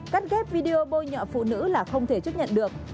cắt ghép video bôi nhọ phụ nữ là không thể chức nhận được